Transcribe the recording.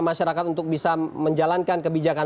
masyarakat untuk bisa menjalankan kebijakan